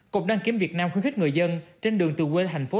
cục đăng kiểm việt nam khuyến khích người dân trên đường từ quê thành phố